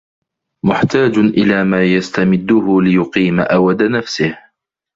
مُحْتَاجٌ إلَى مَا يَسْتَمِدُّهُ لِيُقِيمَ أَوَدَ نَفْسِهِ